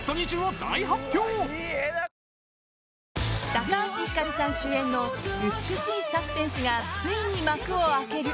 高橋ひかるさん主演の美しいサスペンスがついに幕を開ける！